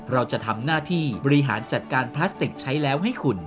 เราจะทำหน้าที่บริหารจัดการพลาสติกใช้แล้วให้คุณ